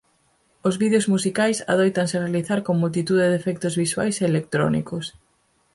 Os vídeos musicais adóitanse realizar con multitude de efectos visuais e electrónicos.